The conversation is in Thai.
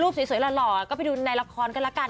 สวยหล่อก็ไปดูในละครกันละกัน